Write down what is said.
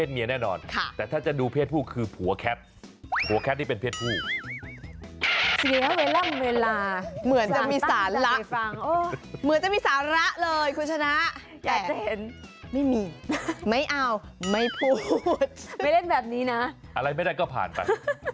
สิเวลัมเวลาเหมือนจะมีสาระเหมือนจะมีสาระเลยคุณชนะไม่มีไม่เอาไม่พูดไม่เล่นแบบนี้นะอะไรไม่ได้ก็ผ่านไป